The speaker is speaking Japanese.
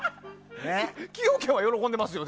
崎陽軒は喜んでますよ。